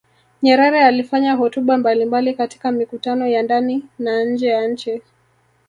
Nyerere alifanya hotuba mbalimbali katika mikutano ya ndani na nje ya nchi